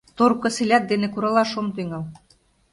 Тор косилят дене куралаш ом тӱҥал.